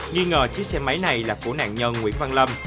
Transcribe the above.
nghi ngờ chiếc xe máy này là của nạn nhân nguyễn văn lâm